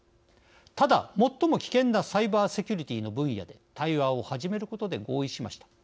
ただ、最も危険なサイバーセキュリティの分野で対話を始めることで合意しました。